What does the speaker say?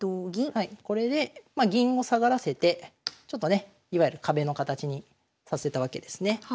はいこれで銀を下がらせてちょっとねいわゆる壁の形にさせたわけですね。